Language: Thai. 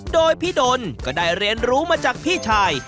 โดยพี่ดนก็ได้เรียนรู้มาจากพี่ชาย